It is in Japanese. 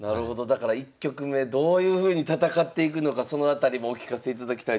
だから１局目どういうふうに戦っていくのかその辺りもお聞かせいただきたいと思います。